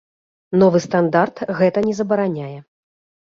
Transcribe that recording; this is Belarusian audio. Новы стандарт гэта не забараняе.